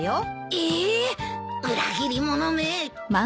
えーっ！裏切り者め。